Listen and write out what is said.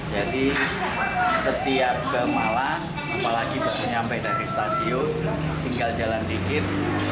jadi setiap ke malang apalagi baru sampai dari stasiun tinggal jalan dikit